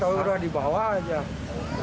terbang di bawah aja